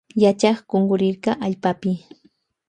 Yachak kunkurirka allpapi.